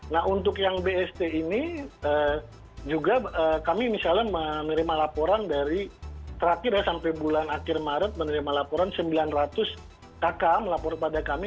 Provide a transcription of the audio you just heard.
nah untuk yang bst ini juga kami misalnya menerima laporan dari terakhir ya sampai bulan akhir maret menerima laporan sembilan ratus kakak melapor pada kami